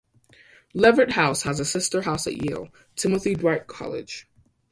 Leverett House has a sister house at Yale, Timothy Dwight College.